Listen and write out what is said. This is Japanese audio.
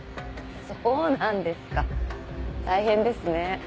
そうなんですか大変ですね。